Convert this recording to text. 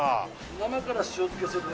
生から塩漬けするんで。